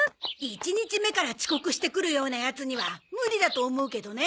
１日目から遅刻してくるようなヤツには無理だと思うけどね。